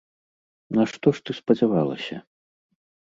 На што ж ты спадзявалася?